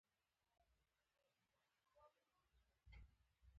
په دې توګه نور وضع کېدونکي انحصارات هم شامل کړل.